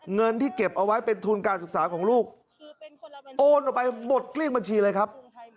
เงินที่เก็บเอาไว้เป็นทุนการศึกษาของลูกโอนออกไปหมดเกลี้ยงบัญชีเลยครับ